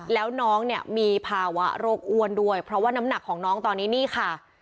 แล้วน้องเนี่ยมีภาวะโรคอ้วนด้วยเพราะว่าน้ำหนักของน้องตอนนี้นี่ค่ะ